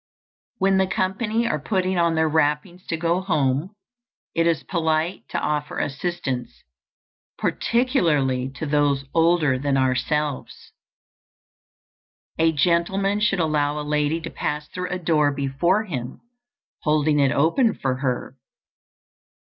When the company are putting on their wrappings to go home, it is polite to offer assistance, particularly to those older than ourselves. A gentleman should allow a lady to pass through a door before him, holding it open for her.